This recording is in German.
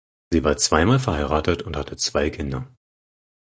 Sie war zweimal verheiratet und hatte zwei Kinder.